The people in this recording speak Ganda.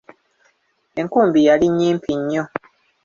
Enkumbi yali nnyimpi nnyo.